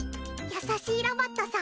優しいロボットさん